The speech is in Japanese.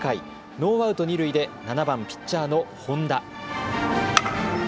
ノーアウト二塁で７番・ピッチャーの本田。